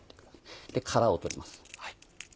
殻を取ります。